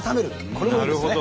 これもいいですね。